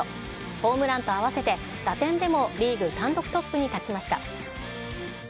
ホームランと合わせて打点でもリーグ単独トップに立ちました。